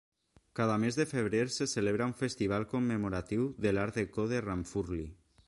Cada mes de febrer se celebra un festival commemoratiu de l'art-déco de Ranfurly.